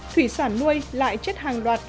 thủy sản nuôi lại chết hàng đoạt